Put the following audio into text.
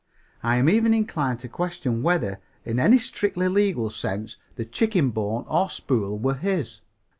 I am even inclined to question whether, in any strictly legal sense, the chicken bone or the spool were his.